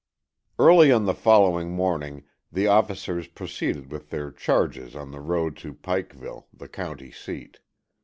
Early on the following morning the officers proceeded with their charges on the road to Pikeville, the county seat.